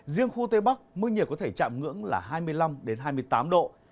riêng khu tây bắc mức nhiệt có thể chạm ngưỡng là hai mươi năm hai mươi tám độ